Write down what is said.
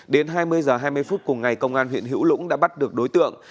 đến hai mươi h hai mươi phút cùng ngày công an huyện hữu lũng đã bắt được đối tượng